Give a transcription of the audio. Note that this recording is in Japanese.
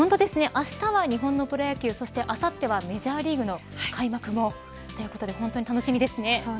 明日は日本のプロ野球そしてあさってはメジャーリーグが開幕ということで本当に楽しみですね。